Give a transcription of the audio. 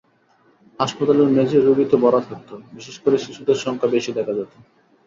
হাসপাতালের মেঝে রোগীতে ভরা থাকত, বিশেষ করে শিশুদের সংখ্যা বেশি দেখা যেত।